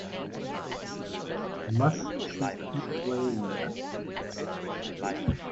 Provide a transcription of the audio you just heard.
Must she keep playing that?